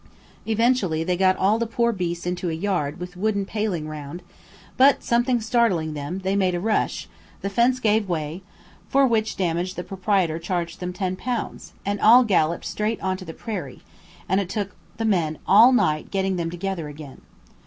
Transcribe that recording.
Eventually they got all the poor beasts into a yard with wooden pailing round, but, something startling them, they made a rush, the fence gave way, for which damage the proprietor charged them ten pounds, and all galloped straight on to the prairie, and it took the men all night getting them together again.